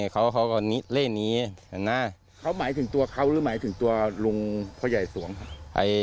เขาหมายถึงตัวเขาหรือหมายถึงตัวลงพระยายสวงครับ